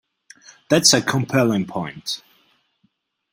That's a compelling point.